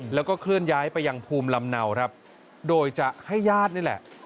แล้วก็เคลื่อนย้ายไปยังภูมิลำเนาครับโดยจะให้ญาตินี่แหละ